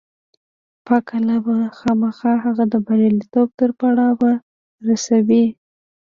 پاک الله به خامخا هغه د برياليتوب تر پړاوه رسوي.